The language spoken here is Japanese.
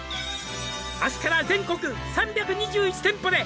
「明日から全国３２１店舗で」